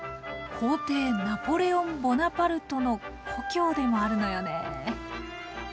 皇帝ナポレオン・ボナパルトの故郷でもあるのよね。